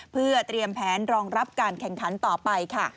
เพื่อเตรียมแผนรองรับการแข่งขันต่อไปค่ะ